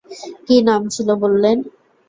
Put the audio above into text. কী নাম ছিল বললেন?